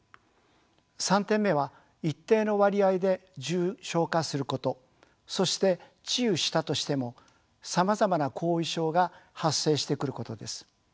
３点目は一定の割合で重症化することそして治癒したとしてもさまざまな後遺症が発生してくることです。